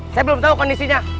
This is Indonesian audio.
saya belum tau kondisinya